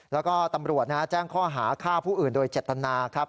แล้วก็ตำรวจแจ้งข้อหาฆ่าผู้อื่นโดยเจตนาครับ